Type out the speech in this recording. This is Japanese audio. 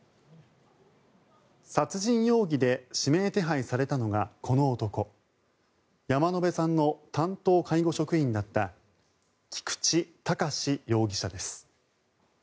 殺人容疑で指名手配されたのがこの男山野辺さんの担当介護職員だった菊池隆容疑者です。